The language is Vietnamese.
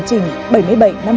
trong suốt năm